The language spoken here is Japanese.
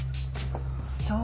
そう。